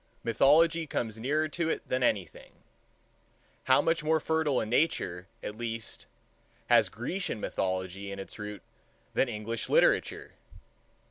Mythology comes nearer to it than anything. How much more fertile a Nature, at least, has Grecian mythology its root in than English literature!